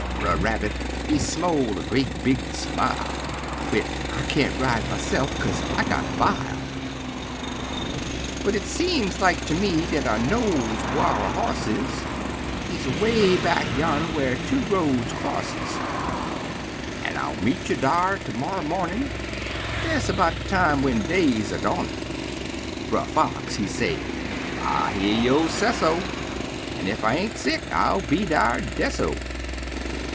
Brer Rabbit, he smole a great big smile, Wid, "I can't ride myse'f, kaze I got a b'ile! "But it seem like ter me dat I knows whar a hoss is: He's away back yan' whar two roads crosses, An' I'll meet you dar termorrer mornin', Des 'bout de time when day's a dawnin'." Brer Fox, he say, "I hear yo' sesso, An' ef I ain't sick I'll be dar desso!"